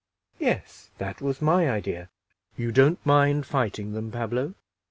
"Yes, that was my idea. You don't mind fighting them, Pablo?"